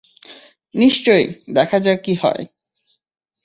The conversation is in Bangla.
নিশ্চয়ই, দেখা যাক কী হয়।